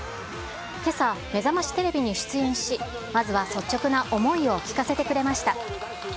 けさ、めざましテレビに出演し、まずは率直な思いを聞かせてくれました。